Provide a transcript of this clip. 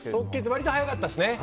割と早かったです。